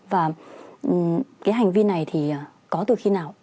và cái hành vi này thì có từ khi nào